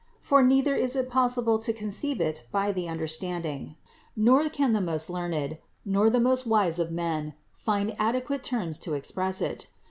For, neither is it possible to conceive it by the understanding, nor can the most learned, nor the most wise of men find adequate terms to express it.